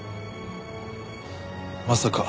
まさか。